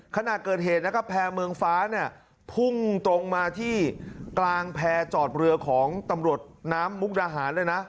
ขณะเกิดเหตุนะครับแพร่เมืองฟ้าเนี่ยพุ่งตรงมาที่กลางแพร่จอดเรือของตำรวจน้ำมุกดาหารเลยนะ